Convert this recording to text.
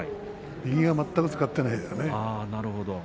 右は全く使っていない。